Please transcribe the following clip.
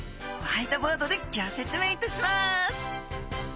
ホワイトボードでギョ説明いたします！